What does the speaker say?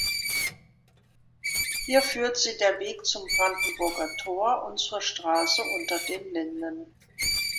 Hier führt sie der Weg zum Brandenburger Tor und zur Straße Unter den Linden.